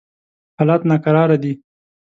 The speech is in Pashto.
حالات ناکراره دي.